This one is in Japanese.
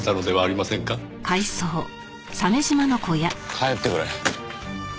帰ってくれ。